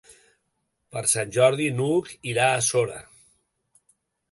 Per Sant Jordi n'Hug irà a Sora.